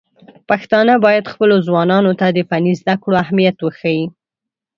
پښتانه بايد خپلو ځوانانو ته د فني زده کړو اهميت وښيي.